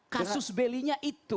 kasus belinya itu